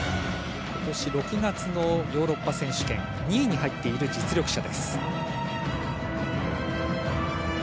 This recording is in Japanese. ６月のヨーロッパ選手権、２位に入っている実力者です。